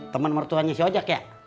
temen mertuannya siojak ya